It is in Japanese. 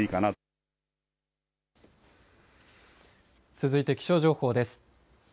続いて気象情報です。